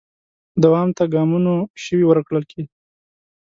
دوام ته ګامونو شوي ورکړل کې